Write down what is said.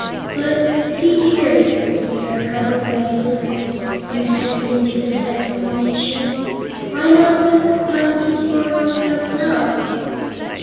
"But see here," said the Scarecrow, who had listened intently to this explanation, "why not put the monkey's form on some one else?"